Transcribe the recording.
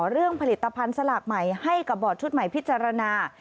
เรื่องผลิตภัณฑ์สลากใหม่ให้กับบอร์ดชุดใหม่พิจารณา